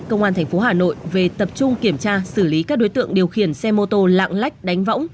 công an tp hà nội về tập trung kiểm tra xử lý các đối tượng điều khiển xe mô tô lạng lách đánh võng